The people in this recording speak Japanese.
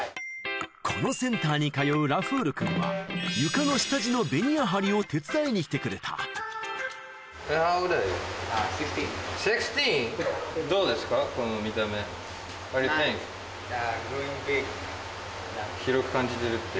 このセンターに通うラフールくんは床の下地のベニヤ張りを手伝いに来てくれたシックスティーン⁉広く感じてるって。